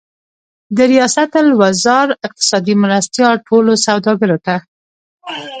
د ریاست الوزار اقتصادي مرستیال ټولو سوداګرو ته